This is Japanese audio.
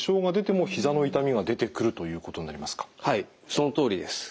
そのとおりです。